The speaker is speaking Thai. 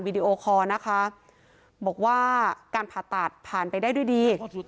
ดีโอคอร์นะคะบอกว่าการผ่าตัดผ่านไปได้ด้วยดี